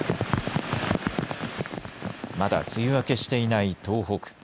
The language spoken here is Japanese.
まだ梅雨明けしていない東北。